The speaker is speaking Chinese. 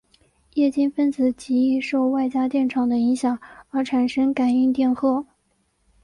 液晶分子极易受外加电场的影响而产生感应电荷。